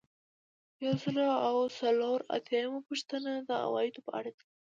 یو سل او څلور اتیایمه پوښتنه د عوایدو په اړه ده.